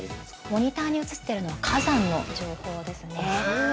◆モニターに映っているのは、火山の情報ですね。